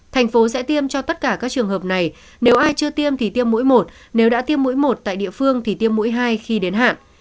thành phố sẽ tiêm cho tất cả các trường hợp này nếu ai chưa tiêm thì tiêm mũi một nếu đã tiêm mũi một tại địa phương thì tiêm mũi hai khi đến hạn